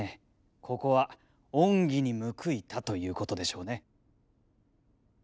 ここは恩義に報いたということでしょうね。